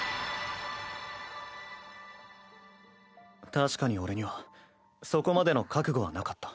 確かに俺にはそこまでの覚悟はなかった。